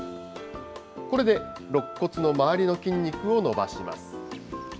これでろっ骨の周りの筋肉を伸ばします。